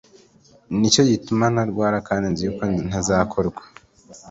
ni cyo gituma ntamwara, … kandi nzi yuko ntazakorwa